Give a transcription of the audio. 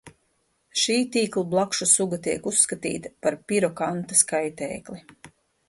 Šī tīklblakšu suga tiek uzskatīta par pirokantas kaitēkli.